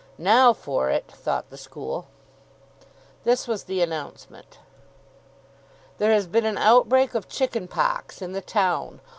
Now for it, thought the school. This was the announcement. "There has been an outbreak of chicken pox in the town.